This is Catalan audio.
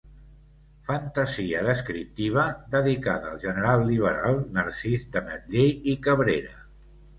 Fantasia descriptiva, dedicada al general liberal Narcís d'Ametller i Cabrera.